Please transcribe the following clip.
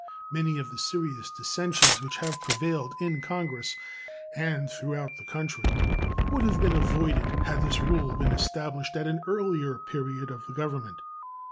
Many of the serious dissentions which have prevailed in Congress and throughout the country would have been avoided had this rule been established at an earlier period of the Government.